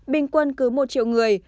bình quân cứ một triệu người